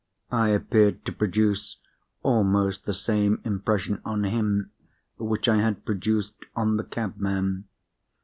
I appeared to produce almost the same impression on him which I had produced on the cabman.